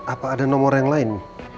apa ada nomor yang lain